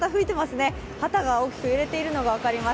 旗が大きく揺れているのが分かります。